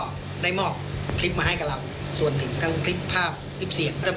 ส่วนหนึ่งเป็นทั้งคลิปภาพคลิปเสียง